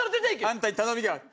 あんたに頼みがある。